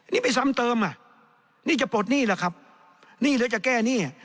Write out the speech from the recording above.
นี่ไปซ้ำเติมอ่ะนี่จะปลดหนี้เหรอครับหนี้หรือจะแก้หนี้